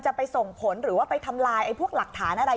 ไปส่งผลหรือว่าไปทำลายพวกหลักฐานอะไร